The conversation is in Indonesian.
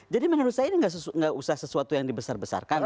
jadi menurut saya ini nggak usah sesuatu yang dibesar besarkan